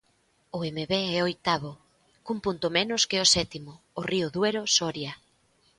O Emevé é oitavo, cun punto menos que o sétimo, o Río Duero Soria.